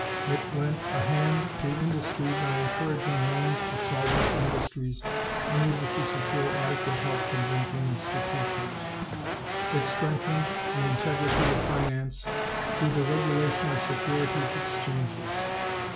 It lent a hand to industry by encouraging loans to solvent industries unable to secure adequate help from banking institutions. It strengthened the integrity of finance through the regulation of securities exchanges.